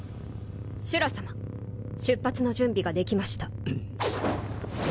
シュラさま出発の準備ができました。